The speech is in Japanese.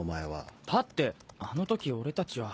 だってあの時俺たちは。